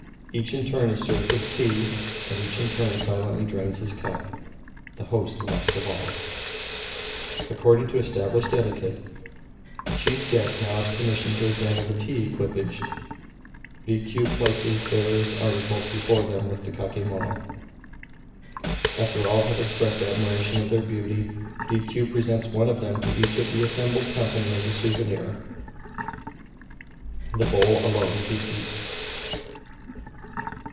Each in turn is served with tea, and each in turn silently drains his cup, the host last of all. According to established etiquette, the chief guest now asks permission to examine the tea equipage. Rikiu places the various articles before them, with the kakemono. After all have expressed admiration of their beauty, Rikiu presents one of them to each of the assembled company as a souvenir. The bowl alone he keeps.